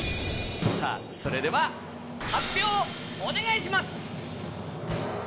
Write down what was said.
さぁそれでは発表お願いします！